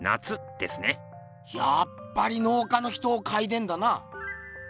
やっぱり農家の人を描いてんだな。